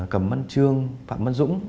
cẩm văn trương phạm văn dũng